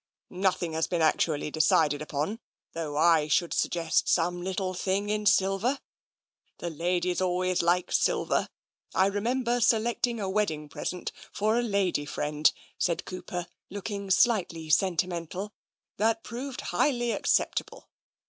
"" Nothing has been actually decided upon, though I should suggest some little thing in silver. The ladies always like silver. I remember selecting a wedding present for a lady friend," said Cooper, looking slightly 13^ TENSION sentimental, "that proved highly acceptable.